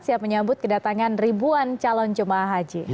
siap menyambut kedatangan ribuan calon jemaah haji